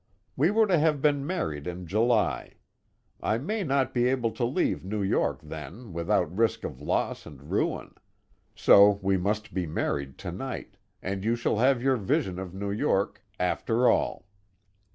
We were to have been married in July. I may not be able to leave New York then without risk of loss and ruin. So we must be married to night, and you shall have your vision of New York after all.